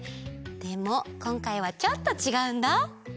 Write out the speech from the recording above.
でもこんかいはちょっとちがうんだ。